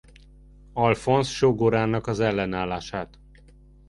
Alfonz sógorának az ellenállását.